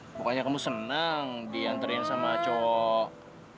pokoknya kamu seneng diantarin sama cowok